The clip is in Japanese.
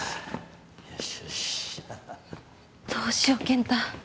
どうしよう健太。